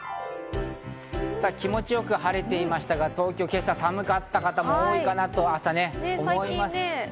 気持ちよく晴れていましたが東京、今朝、寒かった方も多いかなと思います。